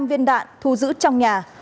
hai mươi năm viên đạn thu giữ trong nhà